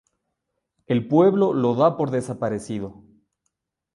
El pueblo lo da por desaparecido.